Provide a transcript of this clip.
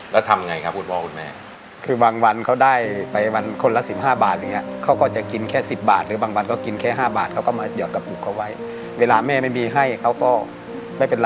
แล้วทำยังไงครับคุณพ่อคุณแม่